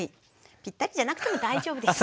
ぴったりじゃなくても大丈夫です。